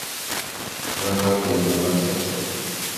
神奈川県山北町